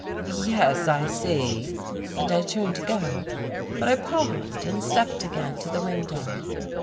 "Yes, I see," and I turned to go. But I paused and stepped again to the window.